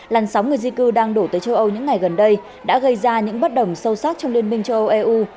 làn sóng người di cư đang đổ tới châu âu những ngày gần đây đã gây ra những bất đồng sâu sắc trong liên minh châu âu eu